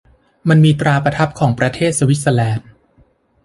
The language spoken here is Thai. มันมีตราประทับของประเทศสวิสเซอร์แลนด์